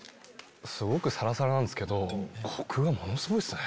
すごくサラサラなんですけどコクがものすごいっすね。